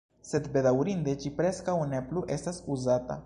Sed bedaŭrinde, ĝi preskaŭ ne plu estas uzata.